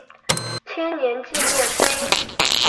千年纪念碑。